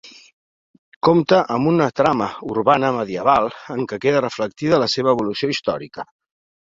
Compta amb una trama urbana medieval en què queda reflectida la seva evolució històrica.